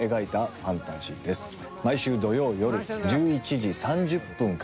毎週土曜よる１１時３０分からです。